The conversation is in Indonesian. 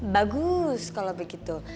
bagus kalau begitu